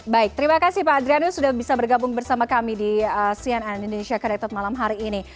baik terima kasih pak adrianus sudah bisa bergabung bersama kami di cnn indonesia connected malam hari ini